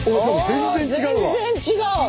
全然違う！